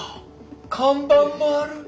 看板もある。